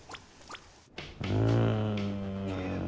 うん。